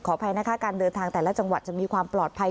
อภัยนะคะการเดินทางแต่ละจังหวัดจะมีความปลอดภัย